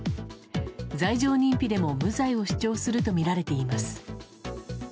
罪状認否でも無罪を主張するとみられています。